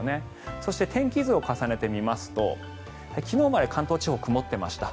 そして、天気図を重ねてみますと昨日まで関東地方、曇っていました。